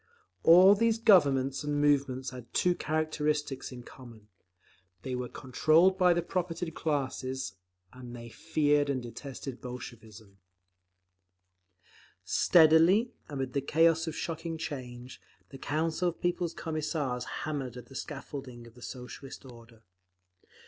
All these "Governments" and "movements" had two characteristics in common; they were controlled by the propertied classes, and they feared and detested Bolshevism…. Steadily, amid the chaos of shocking change, the Council of People's Commissars hammered at the scaffolding of the Socialist order.